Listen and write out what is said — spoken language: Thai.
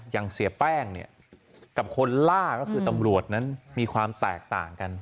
อย่างเสียแป้งเนี่ยกับคนล่าก็คือตำรวจนั้นมีความแตกต่างกัน